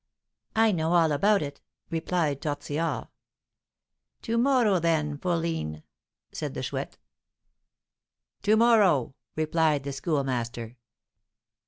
"I know all about it," replied Tortillard. "To morrow, them, fourline," said the Chouette. "To morrow," replied the Schoolmaster.